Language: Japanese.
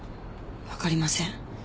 分かりません。